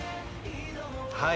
はい。